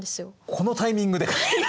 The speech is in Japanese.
このタイミングでかい！？